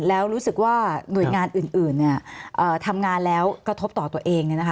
แล้วรู้สึกว่าหน่วยงานอื่นทำงานแล้วกระทบต่อตัวเอง